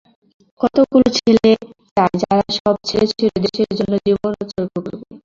কতকগুলো ছেলে চাই, যারা সব ছেড়েছুড়ে দেশের জন্য জীবন উৎসর্গ করবে।